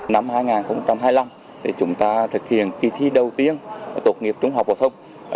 năm hai nghìn hai mươi năm chúng ta thực hiện kỳ thi đầu tiên tốt nghiệp trung học phổ thông